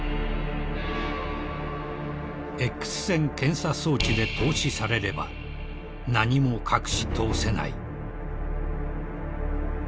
［Ｘ線検査装置で透視されれば何も隠し通せない］